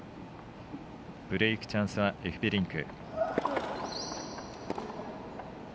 ブレークチャンスはエフベリンク。